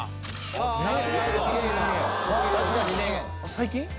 最近？